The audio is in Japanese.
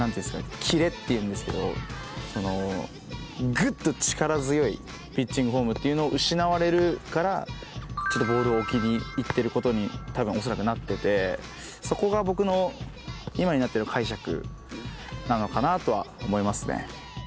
グッと力強いピッチングフォームっていうのが失われるからボールを置きにいってることにおそらくなっててそこが僕の今になっての解釈なのかなとは思いますね。